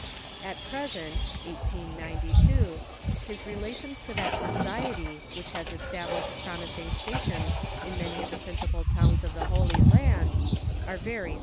At present (1892) his relations to that society, which has established promising stations in many of the principal towns of the Holy Land, are very strained.